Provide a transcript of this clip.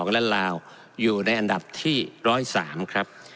และลาวอยู่ในอันดับที่๑๐๓ครับ